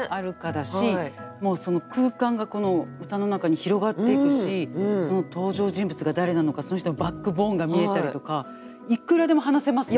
だしもうその空間がこの歌の中に広がっていくしその登場人物が誰なのかその人のバックボーンが見えたりとかいくらでも話せますよ